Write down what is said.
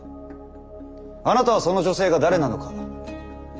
あなたはその女性が誰なのか知りたかった。